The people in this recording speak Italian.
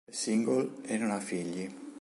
È single e non ha figli.